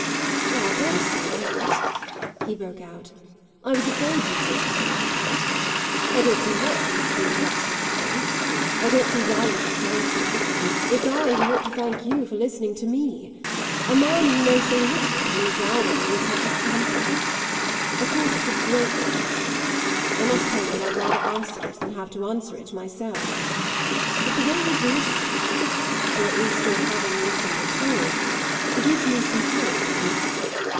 "Ah, don't say that!" he broke out. "I was afraid you'd say something like that. I don't see what you've to do with that sort of thing. I don't see why you should thank me it's I who ought to thank you for listening to me: a man you know so little coming down on you with such a thumper! Of course it's a great question; I must tell you that I'd rather ask it than have it to answer myself. But the way you've listened or at least your having listened at all gives me some hope."